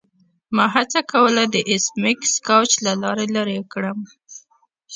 ما هڅه کوله د ایس میکس کوچ له لارې لیرې کړم